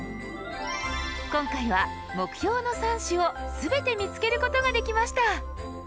今回は目標の３種を全て見つけることができました。